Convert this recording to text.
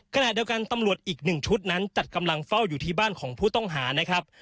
ขณะเดียวกันตำรวจอีกหนึ่งชุดนั้นจัดกำลังเฝ้าอยู่ที่บ้านของผู้ต้องหานะครับ